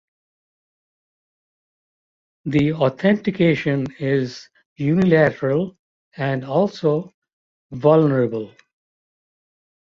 The authentication is unilateral and also vulnerable.